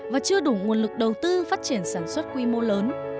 và chưa đủ nguồn lực đầu tư phát triển sản xuất quy mô lớn